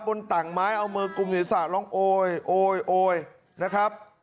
บนต่างไม้เอามือกลุ่มหญิงศาสตร์ร้องโอ๊ยโอ๊ยโอ๊ยนะครับ